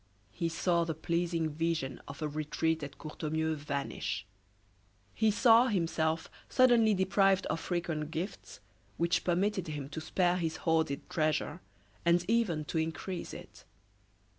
He saw the pleasing vision of a retreat at Courtornieu vanish; he saw himself suddenly deprived of frequent gifts which permitted him to spare his hoarded treasure, and even to increase it.